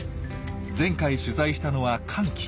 前回取材したのは乾季。